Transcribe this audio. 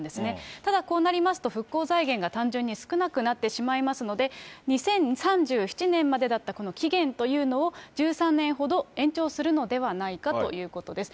ただこうなりますと、復興財源が単純に少なくなってしまいますので、２０３７年までだったこの期限というのを、１３年ほど延長するのではないかということです。